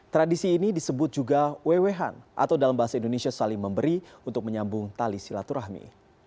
tradisi ini disebut juga wewehan atau dalam bahasa indonesia saling memberi untuk menyambung tali silaturahmi